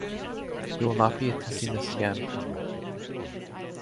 He will not be attempting this again.